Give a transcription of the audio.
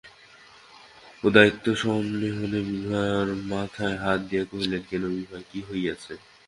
উদয়াদিত্য সস্নেহে বিভার মাথায় হাত দিয়া কহিলেন, কেন বিভা, কী হইয়াছে?